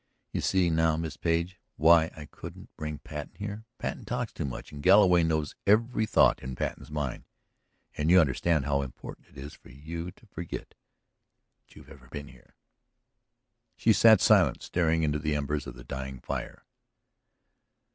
You see now, Miss Page, why I couldn't bring Patten here? Patten talks too much and Galloway knows every thought in Patten's mind. And you understand how important it is for you to forget that you have been here?" She sat silent, staring into the embers of the dying fire.